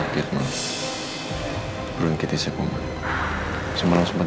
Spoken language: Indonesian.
kita di rumah udah pandain